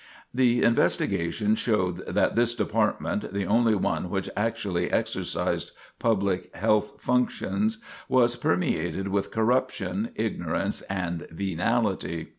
The investigation showed that this department, the only one which actually exercised public health functions, was permeated with corruption, ignorance, and venality.